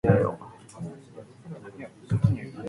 開唔開心？高唔高興？